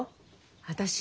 私。